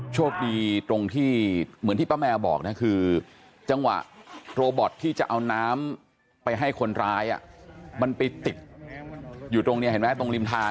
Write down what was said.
โชคดีตรงที่เหมือนที่ป้าแมวบอกนะคือจังหวะโรบอตที่จะเอาน้ำไปให้คนร้ายมันไปติดอยู่ตรงนี้เห็นไหมตรงริมทาง